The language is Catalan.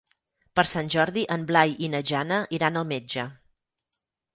Per Sant Jordi en Blai i na Jana iran al metge.